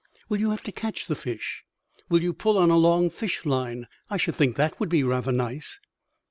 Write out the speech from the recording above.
"Will you have to catch the fish? Will you pull on a long fish line? I should think that would be rather nice."